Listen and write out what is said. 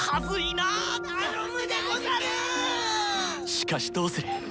しかしどうする？